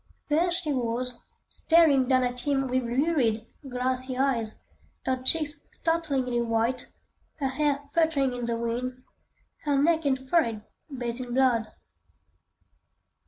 There she was, staring down at him with lurid, glassy eyes; her cheeks startlingly white, her hair fluttering in the wind, her neck and forehead bathed in blood.